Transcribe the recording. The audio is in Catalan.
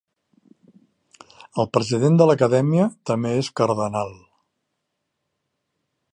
El president de l'Acadèmia també és cardenal.